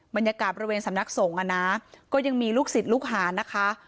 บรรยากาศบริเวณสำนักสงฆ์อ่ะนะก็ยังมีลูกศิษย์ลูกหานะคะ